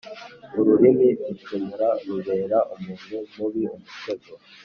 ururimi rucumura rubera umuntu mubi umutego,